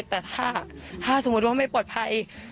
แต่ถ้าสมมุติว่าไม่ปลอดภัย